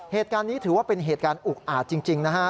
เหตุการณ์นี้ถือว่าเป็นเหตุการณ์อุกอาจจริงนะฮะ